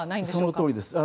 そのとおりです。